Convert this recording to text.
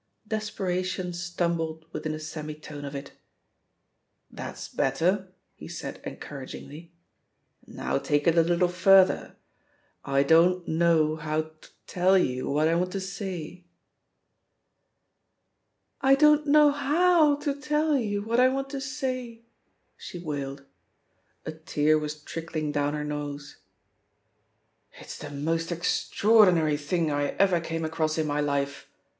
Desperation stumbled within a semi tone of it. "That's better," he said encouragingly. Now take it a little further: *I don't know how to tell you what I want to say.' "" 'I don't know how to tell you what I want to say,' " she wailei A tear was trickling down her nose. "It's the most extraordinary thing I ever came across in my life!"